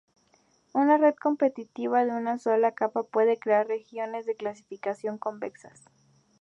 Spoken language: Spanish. Una red competitiva de una sola capa puede crear regiones de clasificación convexas.